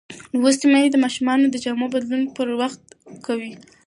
لوستې میندې د ماشومانو د جامو بدلون پر وخت کوي.